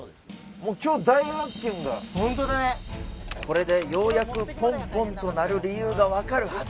これでようやくポンポンと鳴る理由がわかるはず